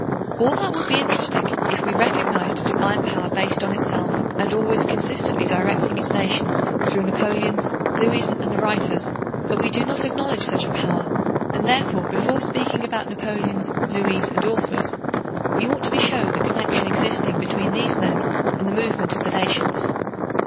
All that would be interesting if we recognized a divine power based on itself and always consistently directing its nations through Napoleons, Louis es, and writers; but we do not acknowledge such a power, and therefore before speaking about Napoleons, Louis es, and authors, we ought to be shown the connection existing between these men and the movement of the nations.